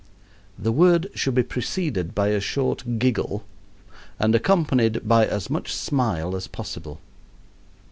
The word should be preceded by a short giggle and accompanied by as much smile as possible.